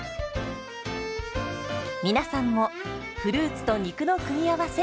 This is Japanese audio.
皆さんもフルーツと肉の組み合わせ